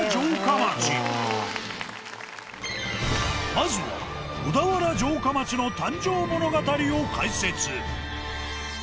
まずは小田原城下町の誕生物語を解説。